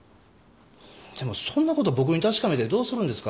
でもそんなこと僕に確かめてどうするんですか？